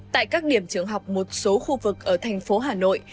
tại các điểm trường học một số khu vực ở thành phố hà nội